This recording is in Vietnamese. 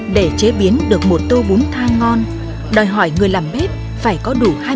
để chế biến được một tô bún tha ngon đòi hỏi người làm bếp phải có đúng cách